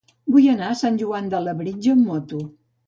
Vull anar a Sant Joan de Labritja amb moto.